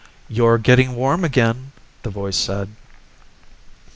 "You're getting warm again," the voice said.